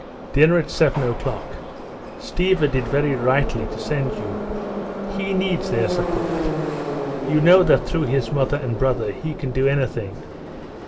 Dinner at seven o'clock. Stiva did very rightly to send you. He needs their support. You know that through his mother and brother he can do anything.